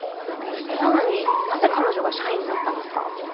それなのになぜ彼女が社員になったんですか？